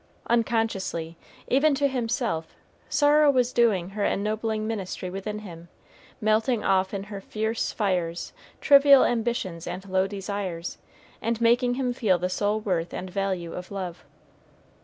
Unconsciously, even to himself, sorrow was doing her ennobling ministry within him, melting off in her fierce fires trivial ambitions and low desires, and making him feel the sole worth and value of love.